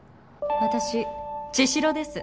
私茅代です。